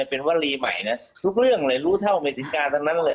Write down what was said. เป็นวรีใหม่นะทุกเรื่องเลยรู้เท่าเมธิกาทั้งนั้นเลย